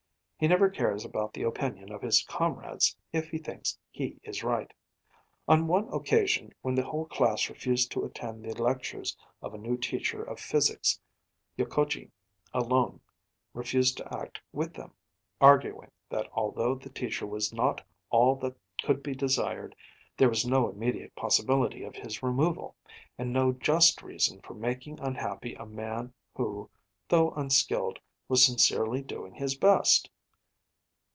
He never cares about the opinion of his comrades if he thinks he is right. On one occasion when the whole class refused to attend the lectures of a new teacher of physics, Yokogi alone refused to act with them arguing that although the teacher was not all that could be desired, there was no immediate possibility of his removal, and no just reason for making unhappy a man who, though unskilled, was sincerely doing his best.